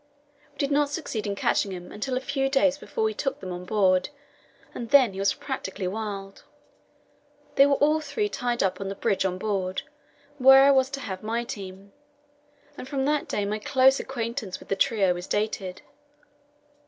We did not succeed in catching him until a few days before we took them on board, and then he was practically wild. They were all three tied up on the bridge on board, where I was to have my team, and from that day my closer acquaintance with the trio is dated.